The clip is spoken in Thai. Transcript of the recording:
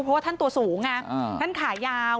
เพราะว่าท่านตัวสูงไงท่านขายาว